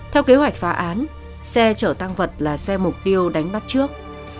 theo kế hoạch phá án xe chở tăng vật là xe mục tiêu đánh bắt trước